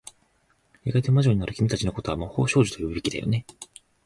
やがて魔女になる君たちの事は、魔法少女と呼ぶべきだよね。